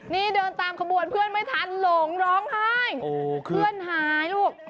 นี่เดินตามขบวนเพื่อนไม่ทันหลงร้องไห้เพื่อนหายลูก